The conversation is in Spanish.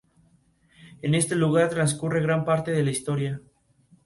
Existen infinitos números abundantes pares e impares.